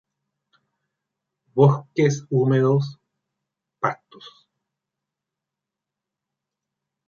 Bosques húmedos, pastos.